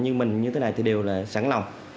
như mình như thế này thì đều là sẵn lòng